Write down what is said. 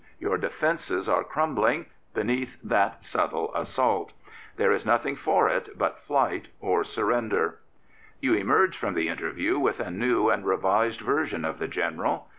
Your defences are crumbling beneath that subtle assault. There is nothing for it but flight or surrender. You emerge from the interview with a new and revised version of the General.